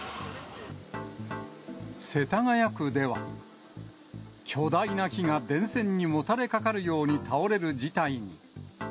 世田谷区では、巨大な木が電線にもたれかかるように倒れる事態に。